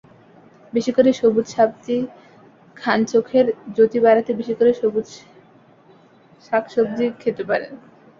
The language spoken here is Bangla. বেশি করে সবুজ সবজি খানচোখের জ্যোতি বাড়াতে বেশি করে সবুজ শাক-সবজি খেতে পারেন।